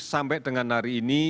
sampai dengan hari ini